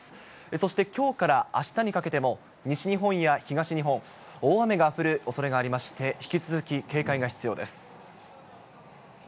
そしてきょうからあしたにかけても、西日本や東日本、大雨が降るおそれがありまして、引き続き警戒が必要です。